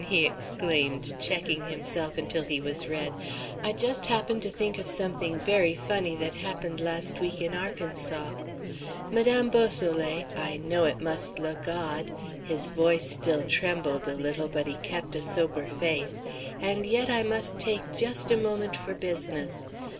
he exclaimed, checking himself until he was red; "I just happened to think of something very funny that happened last week in Arkansas Madame Beausoleil, I know it must look odd," his voice still trembled a little, but he kept a sober face "and yet I must take just a moment for business.